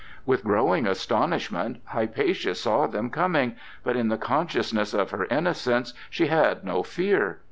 With growing astonishment Hypatia saw them coming, but in the consciousness of her innocence she had no fear.